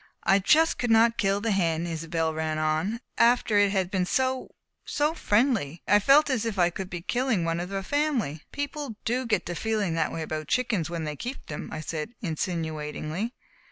"I just could not kill the hen," Isobel ran on, "after it had been so so friendly. Could I? I felt as if I would be killing one of the family." "People do get to feeling that way about chickens when they keep them," I said insinuatingly.